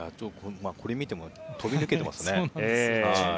これを見ても飛び抜けてますね。